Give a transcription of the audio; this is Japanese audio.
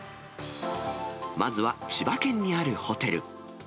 まずは千葉県にあるホテル。